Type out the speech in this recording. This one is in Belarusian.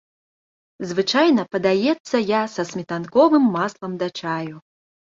Звычайна падаецца я са сметанковым маслам да чаю.